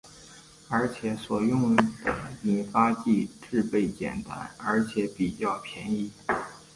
而且所用的引发剂制备简单而且比较便宜。